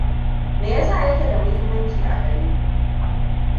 Me yasa yake da mahimmanci a gare ku?